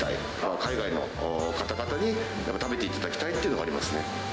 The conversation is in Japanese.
海外の方々に、食べていただきたいというのがありますね。